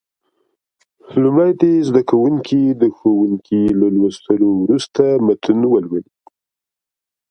لومړی دې زده کوونکي د ښوونکي له لوستلو وروسته متن ولولي.